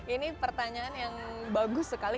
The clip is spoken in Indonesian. ini pertanyaan yang bagus sekali